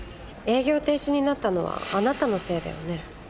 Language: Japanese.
営業停止になったのはあなたのせいだよね？